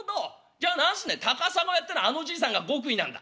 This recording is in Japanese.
じゃあ何すね『高砂や』ってのはあのじいさんが極意なんだ？」。